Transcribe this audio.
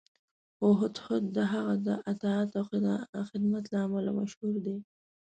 خو هدهد د هغه د اطاعت او خدمت له امله مشهور دی.